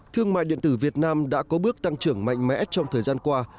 thương mại điện tử việt nam đã có bước tăng trưởng mạnh mẽ trong thời gian qua